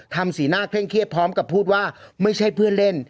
สีหน้าเคร่งเครียดพร้อมกับพูดว่าไม่ใช่เพื่อนเล่น